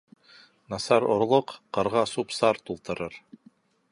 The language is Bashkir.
Насар орлоҡ ҡырға сүп-сар тултырыр.